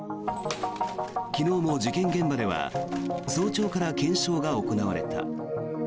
昨日も事件現場では早朝から検証が行われた。